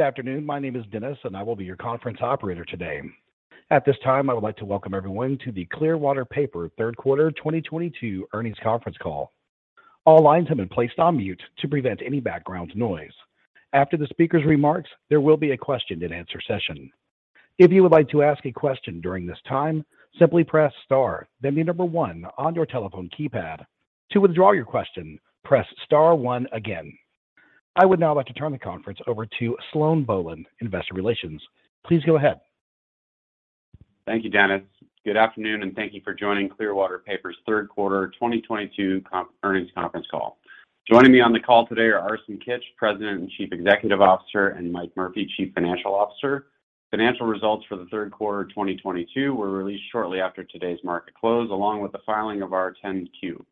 Good afternoon. My name is Dennis, and I will be your conference operator today. At this time, I would like to welcome everyone to the Clearwater Paper Third Quarter 2022 Earnings Conference Call. All lines have been placed on mute to prevent any background noise. After the speaker's remarks, there will be a question-and-answer session. If you would like to ask a question during this time, simply press star, then the number one on your telephone keypad. To withdraw your question, press star one again. I would now like to turn the conference over to Sloan Bohlen, Investor Relations. Please go ahead. Thank you, Dennis. Good afternoon, and thank you for joining Clearwater Paper's third quarter 2022 earnings conference call. Joining me on the call today are Arsen Kitch, President and Chief Executive Officer, and Mike Murphy, Chief Financial Officer. Financial results for the third quarter of 2022 were released shortly after today's market close, along with the filing of our 10-Q.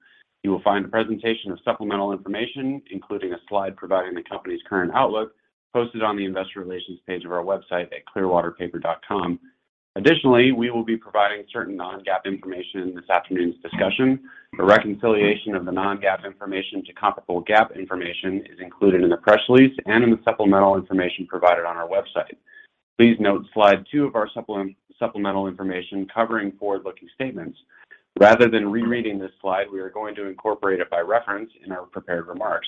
You will find a presentation of supplemental information, including a slide providing the company's current outlook, posted on the investor relations page of our website at clearwaterpaper.com. Additionally, we will be providing certain non-GAAP information in this afternoon's discussion. The reconciliation of the non-GAAP information to comparable GAAP information is included in the press release and in the supplemental information provided on our website. Please note slide two of our supplemental information covering forward-looking statements. Rather than rereading this slide, we are going to incorporate it by reference in our prepared remarks.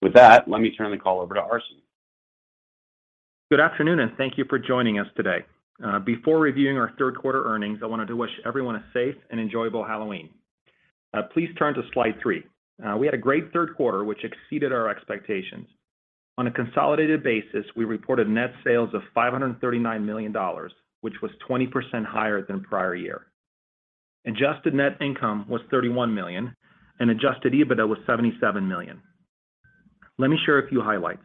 With that, let me turn the call over to Arsen. Good afternoon, and thank you for joining us today. Before reviewing our third quarter earnings, I wanted to wish everyone a safe and enjoyable Halloween. Please turn to slide three. We had a great third quarter which exceeded our expectations. On a consolidated basis, we reported net sales of $539 million, which was 20% higher than prior year. Adjusted net income was $31 million, and adjusted EBITDA was $77 million. Let me share a few highlights.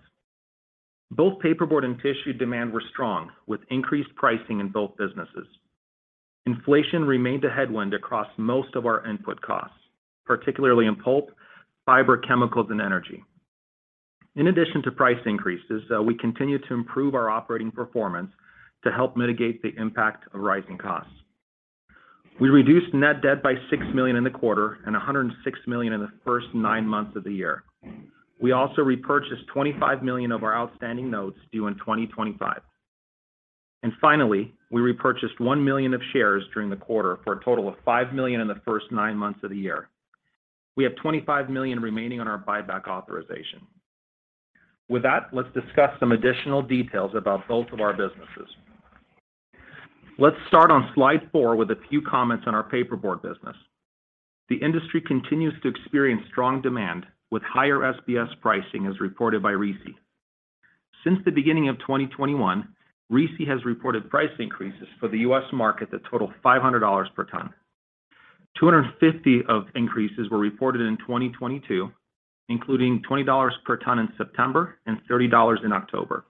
Both paperboard and tissue demand were strong, with increased pricing in both businesses. Inflation remained a headwind across most of our input costs, particularly in pulp, fiber, chemicals and energy. In addition to price increases, we continue to improve our operating performance to help mitigate the impact of rising costs. We reduced net debt by $6 million in the quarter and $106 million in the first nine months of the year. We also repurchased $25 million of our outstanding notes due in 2025. Finally, we repurchased 1 million of shares during the quarter for a total of 5 million in the first nine months of the year. We have $25 million remaining on our buyback authorization. With that, let's discuss some additional details about both of our businesses. Let's start on slide four with a few comments on our paperboard business. The industry continues to experience strong demand with higher SBS pricing as reported by RISI. Since the beginning of 2021, RISI has reported price increases for the U.S. market that total $500 per ton. 250 price increases were reported in 2022, including $20 per ton in September and $30 in October.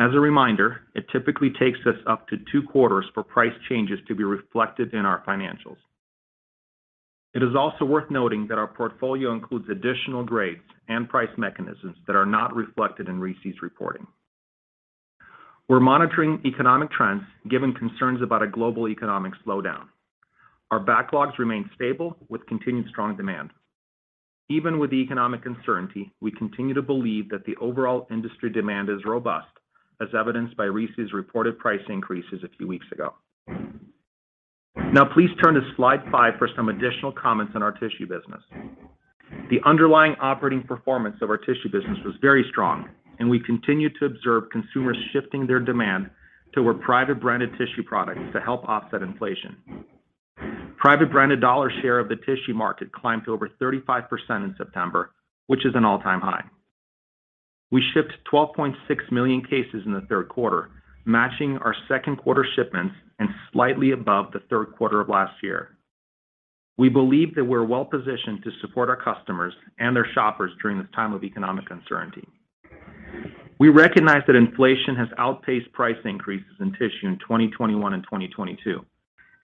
As a reminder, it typically takes us up to two quarters for price changes to be reflected in our financials. It is also worth noting that our portfolio includes additional grades and price mechanisms that are not reflected in RISI's reporting. We're monitoring economic trends, given concerns about a global economic slowdown. Our backlogs remain stable with continued strong demand. Even with the economic uncertainty, we continue to believe that the overall industry demand is robust, as evidenced by RISI's reported price increases a few weeks ago. Now please turn to slide five for some additional comments on our tissue business. The underlying operating performance of our tissue business was very strong, and we continue to observe consumers shifting their demand toward private branded tissue products to help offset inflation. Private branded dollar share of the tissue market climbed to over 35% in September, which is an all-time high. We shipped 12.6 million cases in the third quarter, matching our second quarter shipments and slightly above the third quarter of last year. We believe that we're well-positioned to support our customers and their shoppers during this time of economic uncertainty. We recognize that inflation has outpaced price increases in tissue in 2021 and 2022,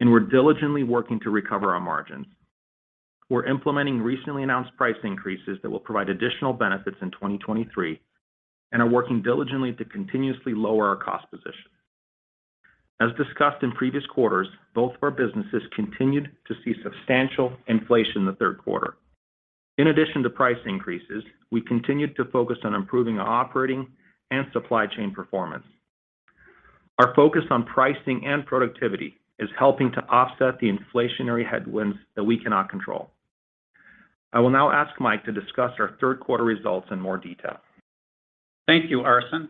and we're diligently working to recover our margins. We're implementing recently announced price increases that will provide additional benefits in 2023 and are working diligently to continuously lower our cost position. As discussed in previous quarters, both of our businesses continued to see substantial inflation in the third quarter. In addition to price increases, we continued to focus on improving our operating and supply chain performance. Our focus on pricing and productivity is helping to offset the inflationary headwinds that we cannot control. I will now ask Mike to discuss our third quarter results in more detail. Thank you, Arsen.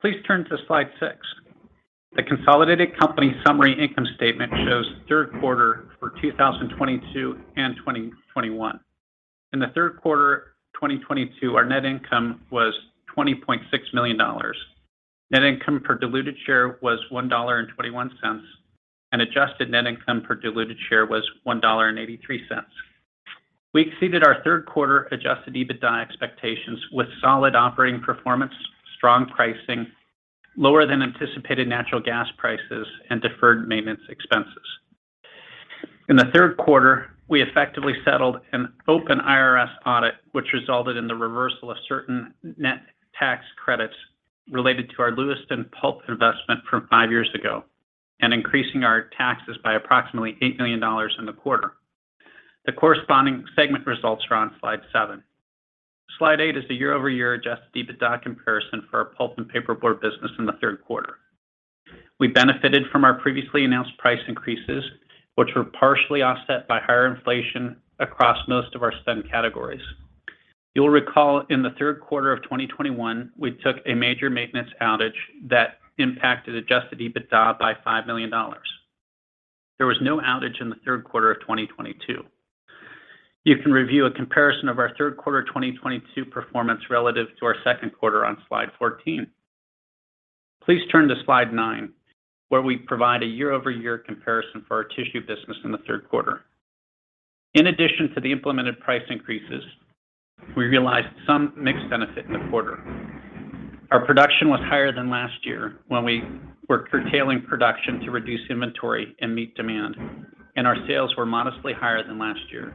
Please turn to slide six. The consolidated company summary income statement shows third quarter for 2022 and 2021. In the third quarter 2022, our net income was $20.6 million. Net income per diluted share was $1.21, and adjusted net income per diluted share was $1.83. We exceeded our third quarter adjusted EBITDA expectations with solid operating performance, strong pricing, lower than anticipated natural gas prices, and deferred maintenance expenses. In the third quarter, we effectively settled an open IRS audit, which resulted in the reversal of certain net tax credits related to our Lewiston pulp investment from five years ago and increasing our taxes by approximately $8 million in the quarter. The corresponding segment results are on slide seven. Slide eight is the year-over-year adjusted EBITDA comparison for our pulp and paperboard business in the third quarter. We benefited from our previously announced price increases, which were partially offset by higher inflation across most of our spend categories. You'll recall in the third quarter of 2021, we took a major maintenance outage that impacted adjusted EBITDA by $5 million. There was no outage in the third quarter of 2022. You can review a comparison of our third quarter 2022 performance relative to our second quarter on slide 14. Please turn to slide nine, where we provide a year-over-year comparison for our tissue business in the third quarter. In addition to the implemented price increases, we realized some mixed benefit in the quarter. Our production was higher than last year when we were curtailing production to reduce inventory and meet demand, and our sales were modestly higher than last year.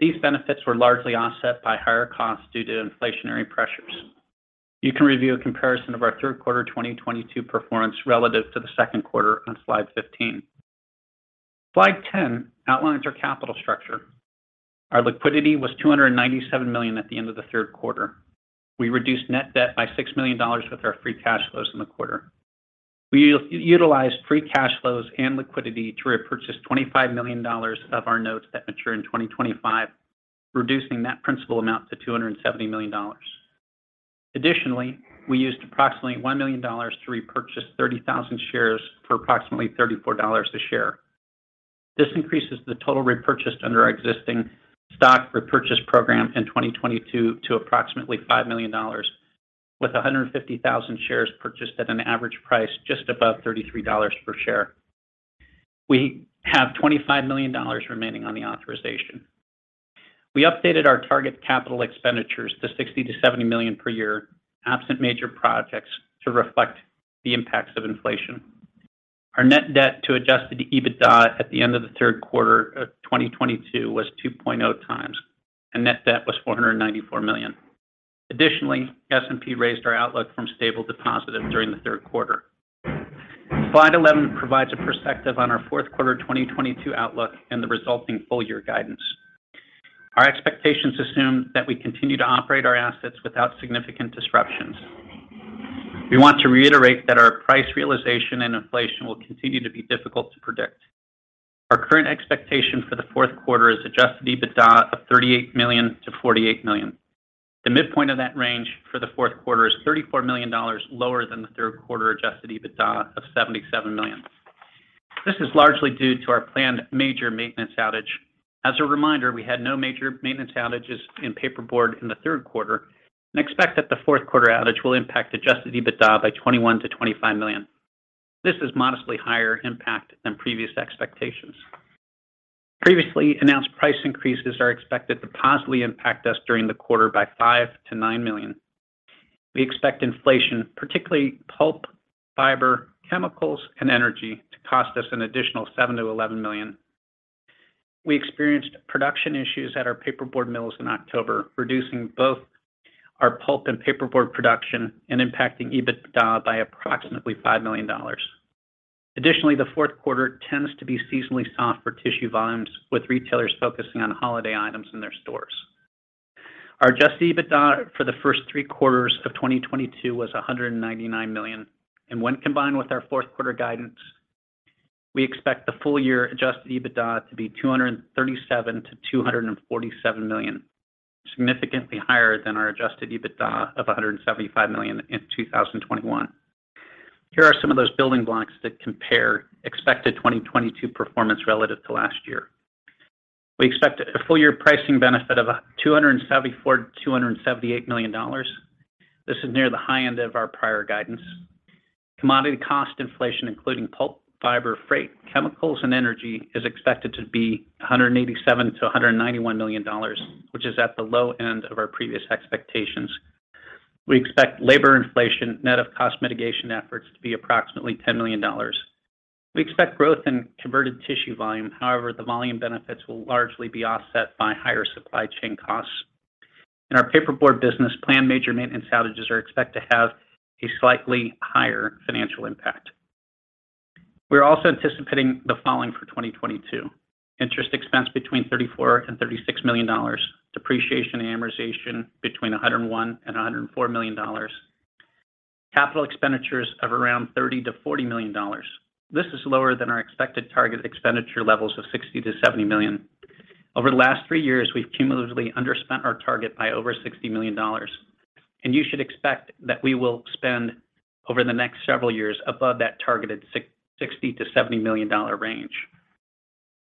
These benefits were largely offset by higher costs due to inflationary pressures. You can review a comparison of our third quarter 2022 performance relative to the second quarter on slide 15. Slide 10 outlines our capital structure. Our liquidity was $297 million at the end of the third quarter. We reduced net debt by $6 million with our free cash flows in the quarter. We utilized free cash flows and liquidity to repurchase $25 million of our notes that mature in 2025, reducing that principal amount to $270 million. Additionally, we used approximately $1 million to repurchase 30,000 shares for approximately $34 a share. This increases the total repurchased under our existing stock repurchase program in 2022 to approximately $5 million, with 150,000 shares purchased at an average price just above $33 per share. We have $25 million remaining on the authorization. We updated our target capital expenditures to $60 million-$70 million per year, absent major projects to reflect the impacts of inflation. Our net debt to adjusted EBITDA at the end of the third quarter of 2022 was 2.0x, and net debt was $494 million. Additionally, S&P raised our outlook from stable to positive during the third quarter. Slide 11 provides a perspective on our fourth quarter 2022 outlook and the resulting full year guidance. Our expectations assume that we continue to operate our assets without significant disruptions. We want to reiterate that our price realization and inflation will continue to be difficult to predict. Our current expectation for the fourth quarter is adjusted EBITDA of $38 million-$48 million. The midpoint of that range for the fourth quarter is $34 million lower than the third quarter adjusted EBITDA of $77 million. This is largely due to our planned major maintenance outage. As a reminder, we had no major maintenance outages in paperboard in the third quarter and expect that the fourth quarter outage will impact adjusted EBITDA by $21 million-$25 million. This is modestly higher impact than previous expectations. Previously announced price increases are expected to positively impact us during the quarter by $5 million-$9 million. We expect inflation, particularly pulp, fiber, chemicals, and energy to cost us an additional $7 million-$11 million. We experienced production issues at our paperboard mills in October, reducing both our pulp and paperboard production and impacting EBITDA by approximately $5 million. Additionally, the fourth quarter tends to be seasonally soft for tissue volumes, with retailers focusing on holiday items in their stores. Our adjusted EBITDA for the first three quarters of 2022 was $199 million, and when combined with our fourth quarter guidance, we expect the full year adjusted EBITDA to be $237 million-$247 million, significantly higher than our adjusted EBITDA of $175 million in 2021. Here are some of those building blocks that compare expected 2022 performance relative to last year. We expect a full year pricing benefit of $274 million-$278 million. This is near the high end of our prior guidance. Commodity cost inflation, including pulp, fiber, freight, chemicals, and energy, is expected to be $187 million-$191 million, which is at the low end of our previous expectations. We expect labor inflation net of cost mitigation efforts to be approximately $10 million. We expect growth in converted tissue volume. However, the volume benefits will largely be offset by higher supply chain costs. In our paperboard business, planned major maintenance outages are expected to have a slightly higher financial impact. We're also anticipating the following for 2022. Interest expense between $34 million and $36 million. Depreciation and amortization between $101 million and $104 million. Capital expenditures of around $30 million-$40 million. This is lower than our expected target expenditure levels of $60 million-$70 million. Over the last three years, we've cumulatively underspent our target by over $60 million, and you should expect that we will spend over the next several years above that targeted $60 million-$70 million range.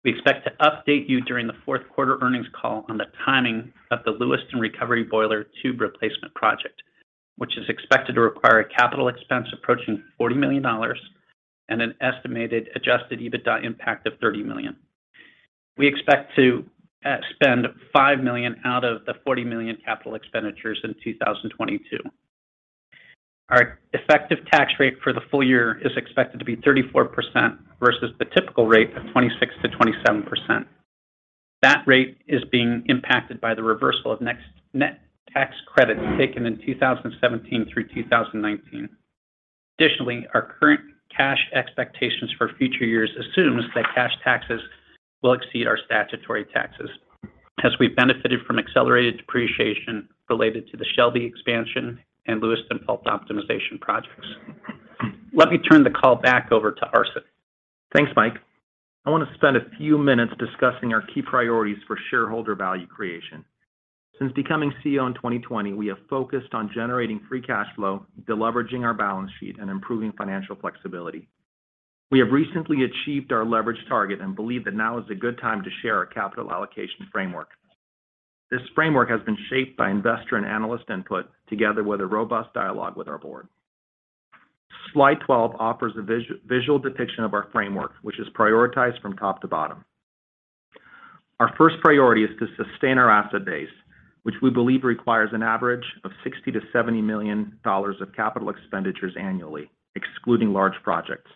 We expect to update you during the fourth quarter earnings call on the timing of the Lewiston recovery boiler tube replacement project, which is expected to require a capital expense approaching $40 million and an estimated adjusted EBITDA impact of $30 million. We expect to spend $5 million out of the $40 million capital expenditures in 2022. Our effective tax rate for the full year is expected to be 34% versus the typical rate of 26%-27%. That rate is being impacted by the reversal of net tax credits taken in 2017 through 2019. Additionally, our current cash expectations for future years assumes that cash taxes will exceed our statutory taxes as we benefited from accelerated depreciation related to the Shelby expansion and Lewiston pulp optimization projects. Let me turn the call back over to Arsen Kitch. Thanks, Mike. I want to spend a few minutes discussing our key priorities for shareholder value creation. Since becoming Chief Executive Officer in 2020, we have focused on generating free cash flow, deleveraging our balance sheet, and improving financial flexibility. We have recently achieved our leverage target and believe that now is a good time to share our capital allocation framework. This framework has been shaped by investor and analyst input together with a robust dialogue with our board. Slide 12 offers a visual depiction of our framework, which is prioritized from top to bottom. Our first priority is to sustain our asset base, which we believe requires an average of $60 million-$70 million of capital expenditures annually, excluding large projects.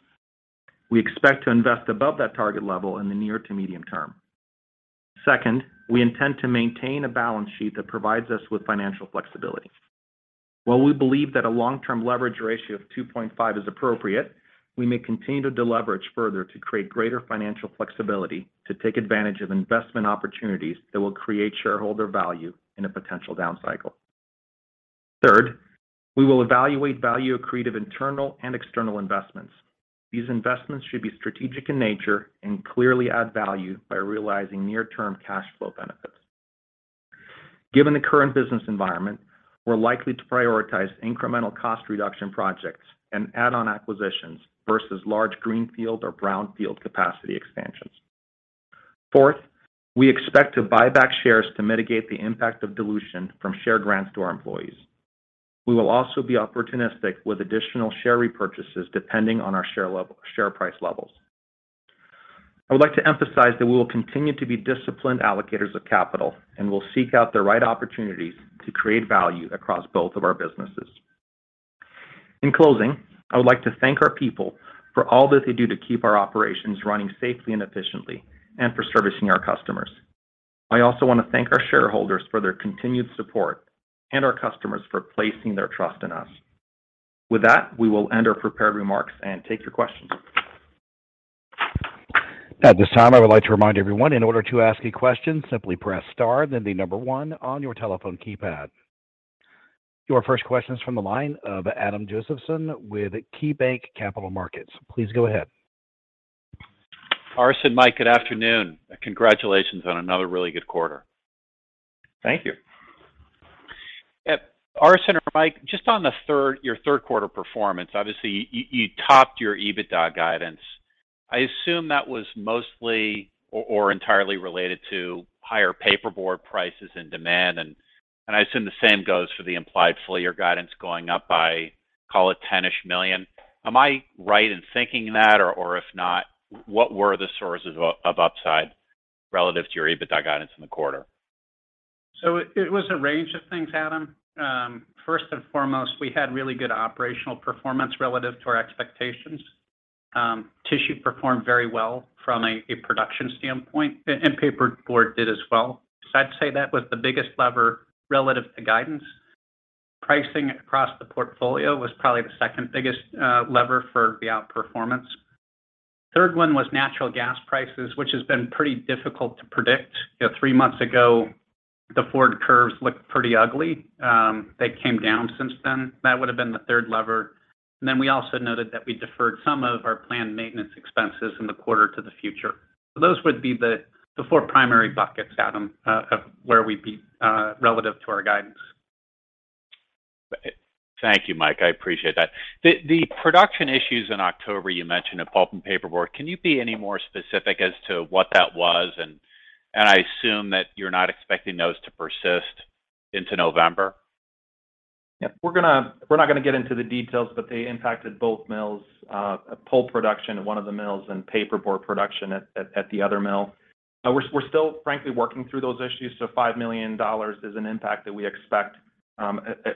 We expect to invest above that target level in the near to medium term. Second, we intend to maintain a balance sheet that provides us with financial flexibility. While we believe that a long-term leverage ratio of 2.5 is appropriate, we may continue to deleverage further to create greater financial flexibility to take advantage of investment opportunities that will create shareholder value in a potential down cycle. Third, we will evaluate value accretive internal and external investments. These investments should be strategic in nature and clearly add value by realizing near-term cash flow benefits. Given the current business environment, we're likely to prioritize incremental cost reduction projects and add-on acquisitions versus large greenfield or brownfield capacity expansions. Fourth, we expect to buy back shares to mitigate the impact of dilution from share grants to our employees. We will also be opportunistic with additional share repurchases depending on our share price levels. I would like to emphasize that we will continue to be disciplined allocators of capital, and we'll seek out the right opportunities to create value across both of our businesses. In closing, I would like to thank our people for all that they do to keep our operations running safely and efficiently and for servicing our customers. I also want to thank our shareholders for their continued support and our customers for placing their trust in us. With that, we will end our prepared remarks and take your questions. At this time, I would like to remind everyone, in order to ask a question, simply press star then the number one on your telephone keypad. Your first question is from the line of Adam Josephson with KeyBanc Capital Markets. Please go ahead. Arsen, Mike, good afternoon. Congratulations on another really good quarter. Thank you. Yep. Arsen or Mike, just on your third quarter performance, obviously you topped your EBITDA guidance. I assume that was mostly or entirely related to higher paperboard prices and demand, and I assume the same goes for the implied full year guidance going up by, call it $10-ish million. Am I right in thinking that? Or if not, what were the sources of upside relative to your EBITDA guidance in the quarter? It was a range of things, Adam. First and foremost, we had really good operational performance relative to our expectations. Tissue performed very well from a production standpoint, and paperboard did as well. I'd say that was the biggest lever relative to guidance. Pricing across the portfolio was probably the second-biggest lever for the outperformance. Third one was natural gas prices, which has been pretty difficult to predict. You know, three months ago, the forward curves looked pretty ugly. They came down since then. That would have been the third lever. Then we also noted that we deferred some of our planned maintenance expenses in the quarter to the future. Those would be the four primary buckets, Adam, of where we beat relative to our guidance. Thank you, Mike. I appreciate that. The production issues in October, you mentioned of pulp and paperboard, can you be any more specific as to what that was? I assume that you're not expecting those to persist into November. Yeah. We're not gonna get into the details, but they impacted both mills, pulp production at one of the mills and paperboard production at the other mill. We're still frankly working through those issues, so $5 million is an impact that we expect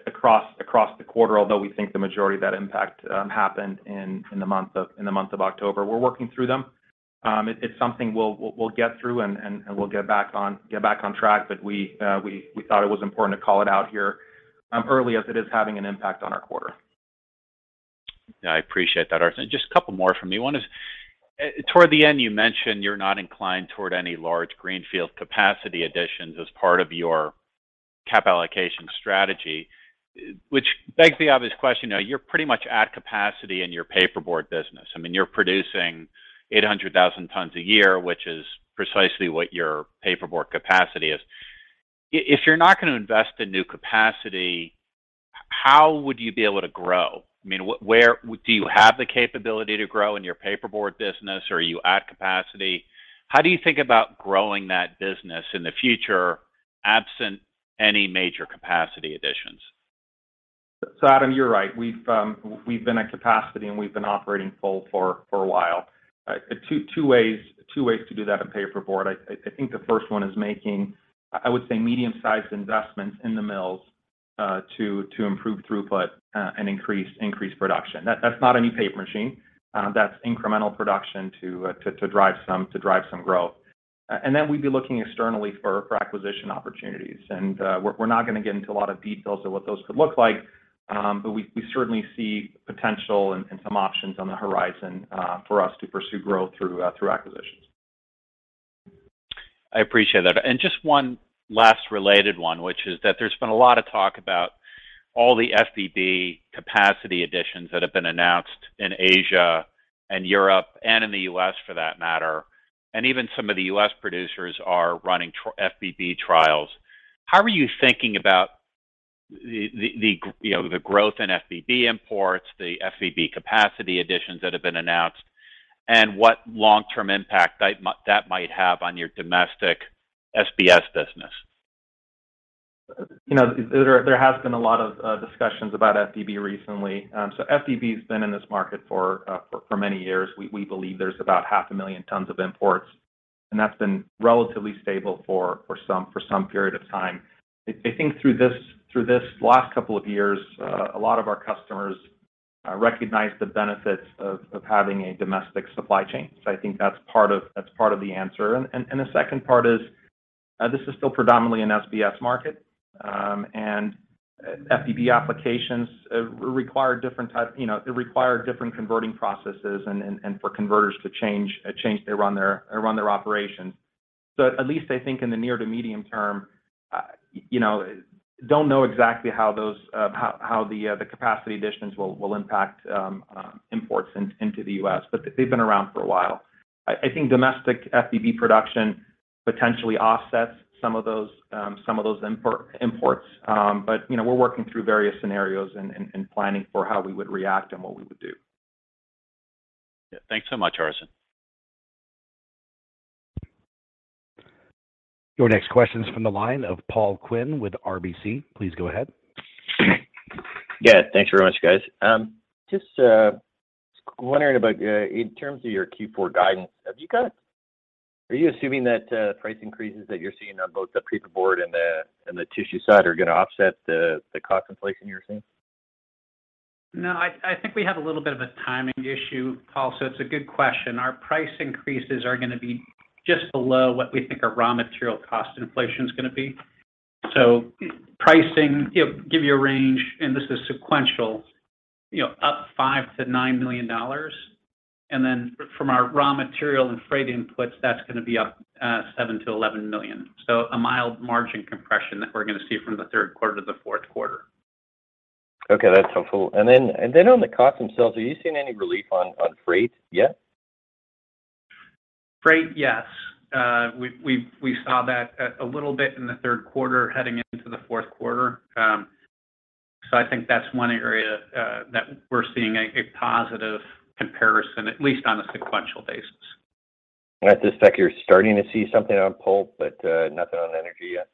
across the quarter, although we think the majority of that impact happened in the month of October. We're working through them. It is something we'll get through and we'll get back on track. We thought it was important to call it out here early as it is having an impact on our quarter. Yeah, I appreciate that, Arsen. Just a couple more from me. One is, toward the end, you mentioned you're not inclined toward any large greenfield capacity additions as part of your cap allocation strategy, which begs the obvious question, now you're pretty much at capacity in your paperboard business. I mean, you're producing 800,000 tons a year, which is precisely what your paperboard capacity is. If you're not gonna invest in new capacity, how would you be able to grow? I mean, do you have the capability to grow in your paperboard business, or are you at capacity? How do you think about growing that business in the future, absent any major capacity additions? Adam, you're right. We've been at capacity, and we've been operating full for a while. Two ways to do that in paperboard. I think the first one is making, I would say, medium-sized investments in the mills to improve throughput and increase production. That's not a new paper machine. That's incremental production to drive some growth. We'd be looking externally for acquisition opportunities. We're not gonna get into a lot of details of what those could look like, but we certainly see potential and some options on the horizon for us to pursue growth through acquisitions. I appreciate that. Just one last related one, which is that there's been a lot of talk about all the FBB capacity additions that have been announced in Asia and Europe, and in the U.S. for that matter, and even some of the U.S. producers are running FBB trials. How are you thinking about the growth in FBB imports, the FBB capacity additions that have been announced, and what long-term impact that might have on your domestic SBS business? You know, there has been a lot of discussions about FBB recently. FBB's been in this market for many years. We believe there's about 500,000 tons of imports, and that's been relatively stable for some period of time. I think through this last couple of years a lot of our customers recognized the benefits of having a domestic supply chain. I think that's part of the answer. The second part is this is still predominantly an SBS market. FBB applications require different type. You know, it require different converting processes and for converters to change to run their operations. At least I think in the near to medium term, you know, don't know exactly how the capacity additions will impact imports into the U.S., but they've been around for a while. I think domestic FBB production potentially offsets some of those imports. But, you know, we're working through various scenarios and planning for how we would react and what we would do. Yeah. Thanks so much, Arsen Kitch. Your next question's from the line of Paul Quinn with RBC. Please go ahead. Yeah. Thanks very much guys. Just wondering about, in terms of your Q4 guidance, are you assuming that price increases that you're seeing on both the paperboard and the tissue side are gonna offset the cost inflation you're seeing? No, I think we have a little bit of a timing issue Paul, so it's a good question. Our price increases are gonna be just below what we think our raw material cost inflation's gonna be. Pricing, give you a range, and this is sequential, you know, up $5 million-$9 million. Then from our raw material and freight inputs, that's gonna be up $7 million-$11 million. A mild margin compression that we're gonna see from the third quarter to the fourth quarter. Okay, that's helpful. On the costs themselves, are you seeing any relief on freight yet? Freight yes. We saw that a little bit in the third quarter heading into the fourth quarter. I think that's one area that we're seeing a positive comparison, at least on a sequential basis. At this sec, you're starting to see something on pulp, but nothing on energy yet?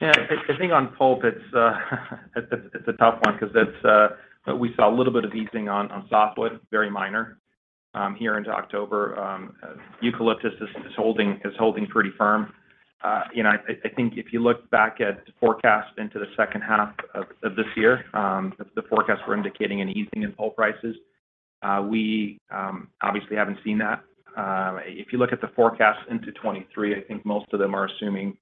Yeah. I think on pulp it's a tough one because it's. We saw a little bit of easing on softwood, very minor, here into October. Eucalyptus is holding pretty firm. You know, I think if you look back at the forecast into the second half of this year, the forecasts were indicating an easing in pulp prices. We obviously haven't seen that. If you look at the forecast into 2023, I think most of them are assuming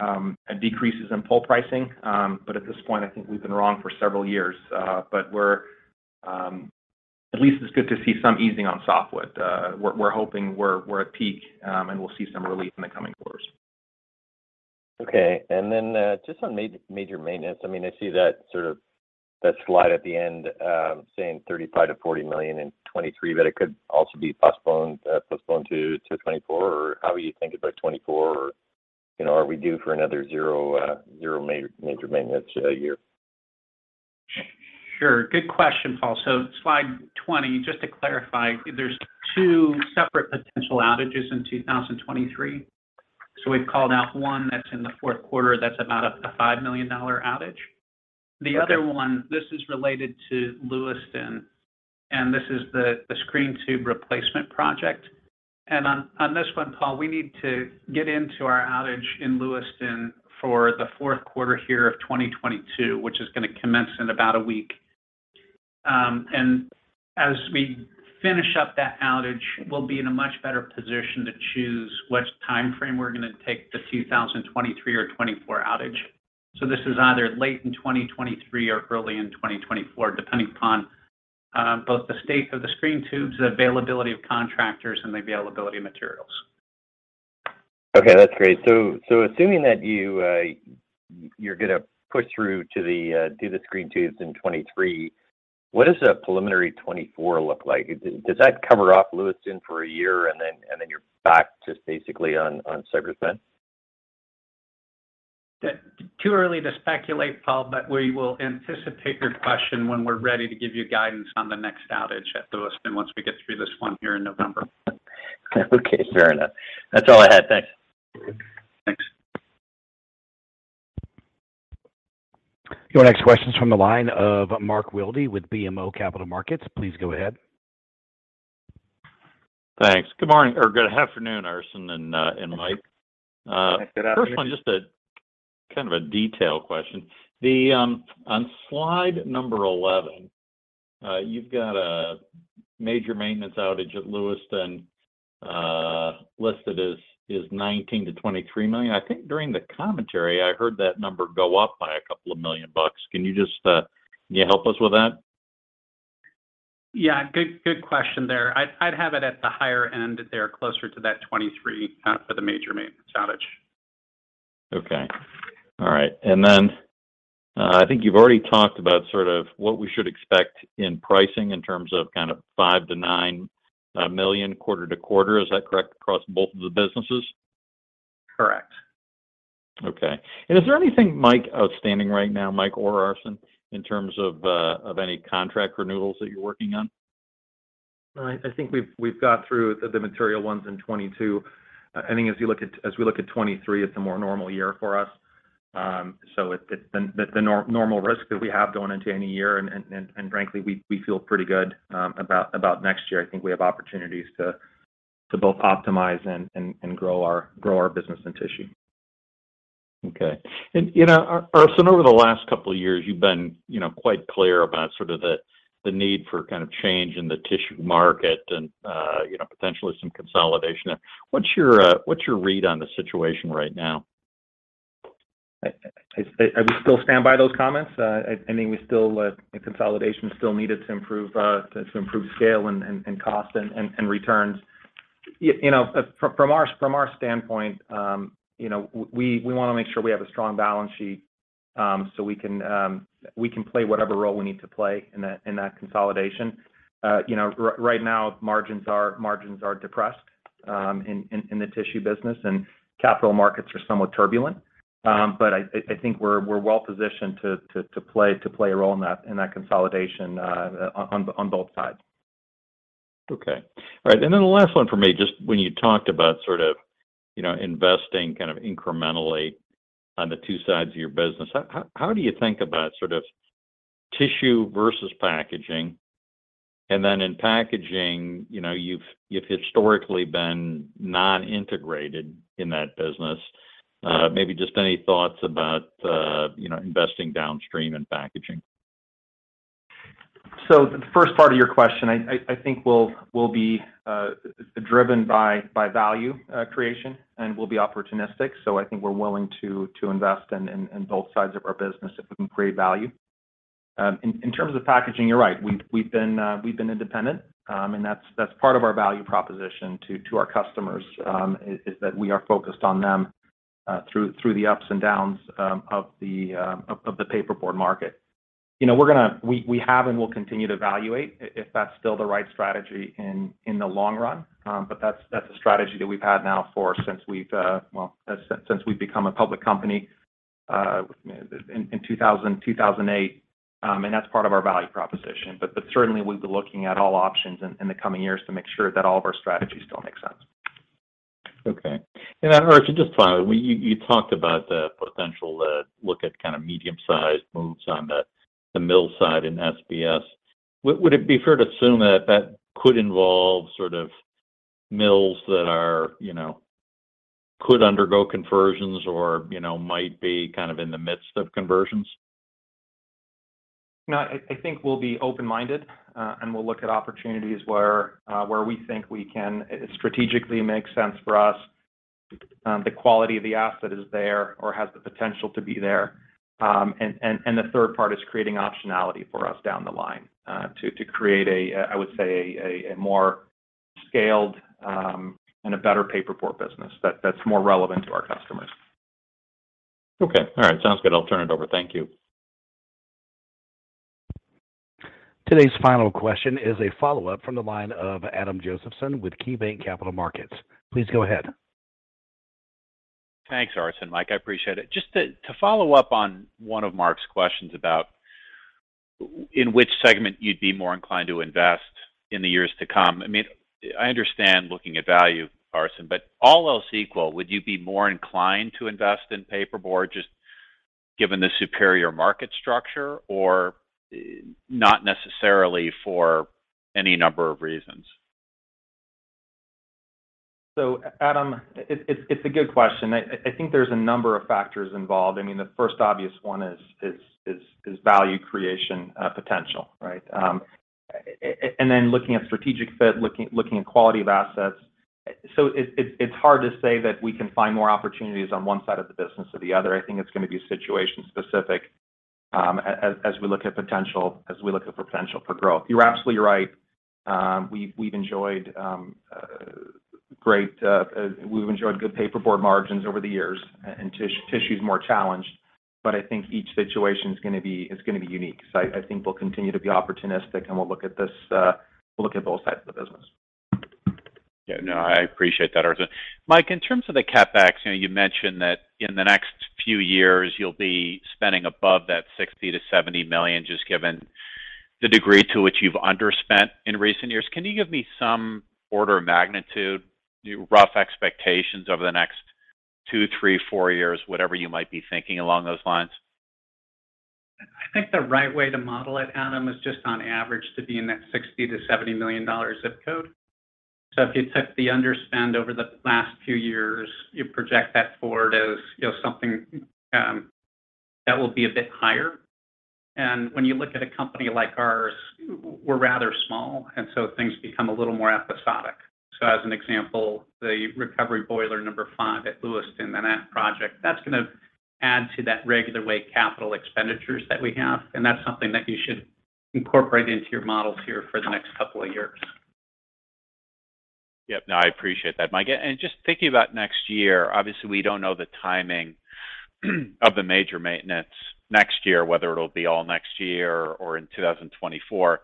a decrease in pulp pricing. At this point I think we've been wrong for several years. At least it's good to see some easing on softwood. We're hoping we're at peak and we'll see some relief in the coming quarters. Okay. Just on major maintenance, I mean, I see that sort of that slide at the end, saying $35 million-$40 million in 2023, but it could also be postponed to 2024, or how are you thinking about 2024 or, you know, are we due for another zero major maintenance year? Sure. Good question, Paul. Slide 20 just to clarify there's two separate potential outages in 2023. We've called out one that's in the fourth quarter that's about a $5 million outage. Okay. The other one, this is related to Lewiston, and this is the screen tube replacement project. On this one, Paul, we need to get into our outage in Lewiston for the fourth quarter here of 2022, which is gonna commence in about a week. As we finish up that outage, we'll be in a much better position to choose which timeframe we're gonna take the 2023 or 2024 outage. This is either late in 2023 or early in 2024, depending upon both the state of the screen tubes, the availability of contractors, and the availability of materials. Okay, that's great. Assuming that you're gonna push through to the do the screen tubes in 2023, what does a preliminary 2024 look like? Does that cover up Lewiston for a year, and then you're back just basically on then? Too early to speculate, Paul, but we will anticipate your question when we're ready to give you guidance on the next outage at Lewiston once we get through this one here in November. Okay, fair enough. That's all I had. Thanks. Thanks. Your next question's from the line of Mark Wilde with BMO Capital Markets. Please go ahead. Thanks. Good morning, or good afternoon, Arsen and Mike. Good afternoon. First one, just a kind of detail question. On slide number 11, you've got a major maintenance outage at Lewiston listed as $19 million-$23 million. I think during the commentary I heard that number go up by a couple of million bucks. Can you help us with that? Yeah. Good question there. I'd have it at the higher end there, closer to that 23 for the major maintenance outage. Okay. All right. I think you've already talked about sort of what we should expect in pricing in terms of kind of $5 million-$9 million quarter-over-quarter. Is that correct across both of the businesses? Correct. Okay. Is there anything, Mike, outstanding right now, Mike or Arsen, in terms of any contract renewals that you're working on? I think we've got through the material ones in 2022. I think as we look at 2023, it's a more normal year for us. It's the normal risk that we have going into any year and frankly we feel pretty good about next year. I think we have opportunities to both optimize and grow our business and tissue. Okay. You know, Arsen Kitch, over the last couple of years you've been, you know, quite clear about sort of the need for kind of change in the tissue market and, you know, potentially some consolidation. What's your read on the situation right now? I would still stand by those comments. I think consolidation is still needed to improve scale and cost and returns. You know, from our standpoint, you know, we wanna make sure we have a strong balance sheet, so we can play whatever role we need to play in that consolidation. You know, right now margins are depressed in the tissue business, and capital markets are somewhat turbulent. I think we're well positioned to play a role in that consolidation on both sides. Okay. All right. The last one from me, just when you talked about sort of, you know, investing kind of incrementally on the two sides of your business, how do you think about sort of tissue versus packaging? In packaging, you know, you've historically been non-integrated in that business. Maybe just any thoughts about, you know, investing downstream in packaging. The first part of your question, I think will be driven by value creation and will be opportunistic. I think we're willing to invest in both sides of our business if we can create value. In terms of packaging, you're right. We've been independent. That's part of our value proposition to our customers is that we are focused on them through the ups and downs of the paperboard market. We have and will continue to evaluate if that's still the right strategy in the long run. That's a strategy that we've had now for since we've become a public company in 2008. That's part of our value proposition. Certainly we'll be looking at all options in the coming years to make sure that all of our strategies still make sense. Okay. Arsen Kitch, just finally, you talked about the potential to look at kind of medium-sized moves on the mill side in SBS. Would it be fair to assume that could involve sort of mills that are, you know, could undergo conversions or, you know, might be kind of in the midst of conversions? No, I think we'll be open-minded, and we'll look at opportunities where we think we can strategically make sense for us, the quality of the asset is there or has the potential to be there. The third part is creating optionality for us down the line to create a I would say a more scaled, and a better paperboard business that's more relevant to our customers. Okay. All right. Sounds good. I'll turn it over. Thank you. Today's final question is a follow-up from the line of Adam Josephson with KeyBanc Capital Markets. Please go ahead. Thanks, Arsen, Mike. I appreciate it. Just to follow up on one of Mark's questions about in which segment you'd be more inclined to invest in the years to come. I mean, I understand looking at value, Arsen, but all else equal, would you be more inclined to invest in paperboard just given the superior market structure, or not necessarily for any number of reasons? Adam, it's a good question. I think there's a number of factors involved. I mean, the first obvious one is value creation potential, right? Then looking at strategic fit, looking at quality of assets. It's hard to say that we can find more opportunities on one side of the business or the other. I think it's gonna be situation specific, as we look at potential for growth. You're absolutely right. We've enjoyed good paperboard margins over the years, and tissue is more challenged, but I think each situation is gonna be unique. I think we'll continue to be opportunistic and we'll look at both sides of the business. Yeah. No, I appreciate that, Arsen. Mike, in terms of the CapEx, you know, you mentioned that in the next few years you'll be spending above that $60 million-$70 million, just given the degree to which you've underspent in recent years. Can you give me some order of magnitude, rough expectations over the next two, three, four years, whatever you might be thinking along those lines? I think the right way to model it, Adam, is just on average to be in that $60 million-$70 million ZIP code. If you took the underspend over the last few years, you project that forward as, you know, something that will be a bit higher. When you look at a company like ours, we're rather small, and so things become a little more episodic. As an example, the recovery boiler number five at Lewiston, and that project, that's gonna add to that run-rate capital expenditures that we have, and that's something that you should incorporate into your models here for the next couple of years. Yep. No, I appreciate that Mike. Just thinking about next year, obviously, we don't know the timing of the major maintenance next year whether it'll be all next year or in 2024.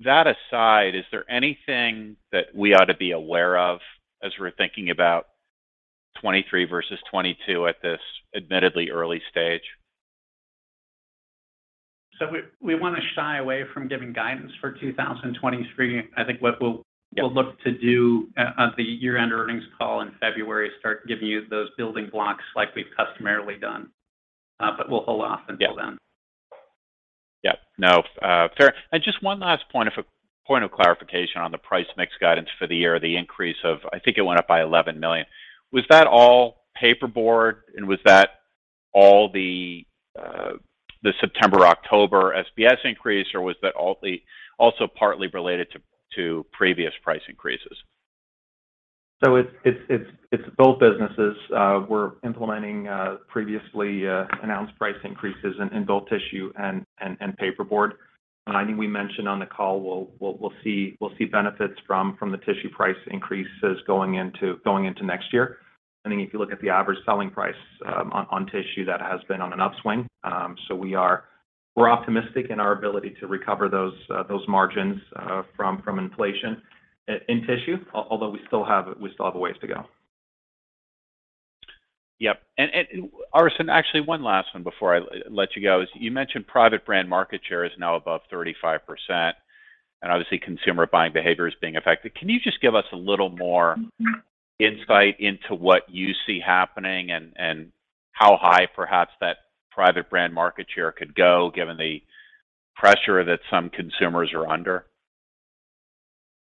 That aside, is there anything that we ought to be aware of as we're thinking about 2023 versus 2022 at this admittedly early stage? We wanna shy away from giving guidance for 2023. I think what we'll Yeah We'll look to do at the year-end earnings call in February is start giving you those building blocks like we've customarily done. We'll hold off until then. Yep. No, fair. Just one last point of clarification on the price mix guidance for the year, the increase, I think it went up by $11 million. Was that all paperboard, and was that all the September-October SBS increase, or was that also partly related to previous price increases? It's both businesses. We're implementing previously announced price increases in both tissue and paperboard. I think we mentioned on the call, we'll see benefits from the tissue price increases going into next year. Then if you look at the average selling price on tissue, that has been on an upswing. We're optimistic in our ability to recover those margins from inflation in tissue, although we still have a ways to go. Yep. Arsen Kitch, actually, one last one before I let you go is you mentioned private brand market share is now above 35%, and obviously consumer buying behavior is being affected. Can you just give us a little more insight into what you see happening and how high perhaps that private brand market share could go, given the pressure that some consumers are under?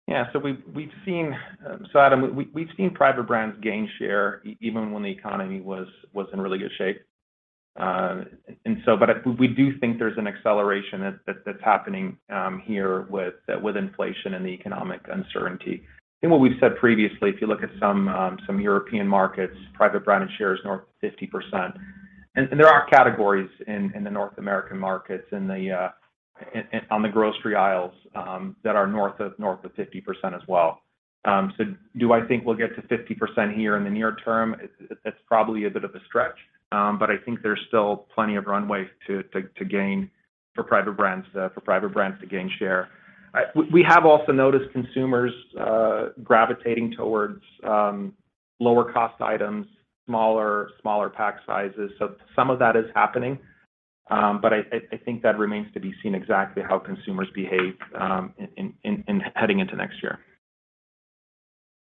Yeah. Adam, we've seen private brands gain share even when the economy was in really good shape. We do think there's an acceleration that's happening here with inflation and the economic uncertainty. I think what we've said previously, if you look at some European markets, private brand share is north of 50%. There are categories in the North American markets on the grocery aisles that are north of 50% as well. Do I think we'll get to 50% here in the near term? That's probably a bit of a stretch, but I think there's still plenty of runway for private brands to gain share. We have also noticed consumers gravitating towards lower cost items, smaller pack sizes. Some of that is happening, but I think that remains to be seen exactly how consumers behave in heading into next year.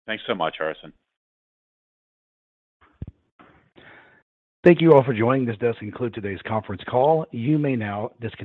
Thanks so much, Arsen Kitch. Thank you all for joining. This does conclude today's conference call. You may now disconnect.